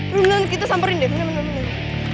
bentar kita samperin deh bentar bentar bentar